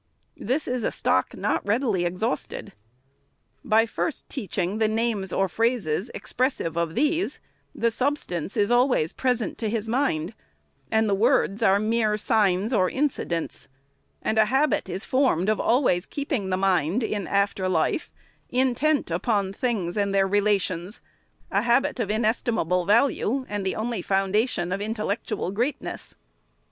This is a stock not readily exhausted. By first teaching the names or phrases exoressive of these, 526 THE SECRETARY'S the substance is always present to his mind, and the words are mere signs or incidents ; and a habit is formed of always keeping the mind, in after life, intent upon tilings and their relations, — a habit of inestimable value, and the only foundation of intellectual greatness.